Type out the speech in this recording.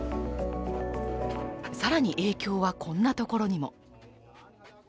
更に、影響はこんなところにも。